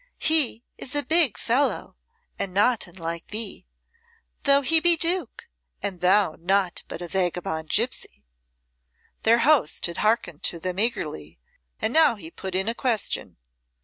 "He is a big fellow, and not unlike thee though he be Duke and thou naught but a vagabond gipsy." Their host had hearkened to them eagerly, and now he put in a question.